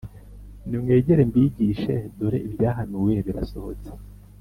nimwegere mbigishe dore ibyahanuwe birasohotse".